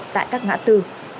tại các ngã tư